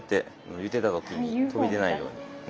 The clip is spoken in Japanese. ゆでた時に飛び出ないようになります。